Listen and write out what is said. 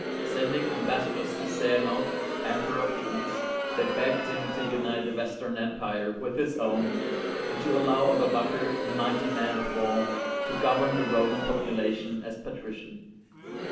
Sending ambassadors to Zeno, Emperor of the East, they begged him to unite the Western Empire with his own, and to allow Odovaker, '' a mighty man of war," to govern the Roman population as patrician.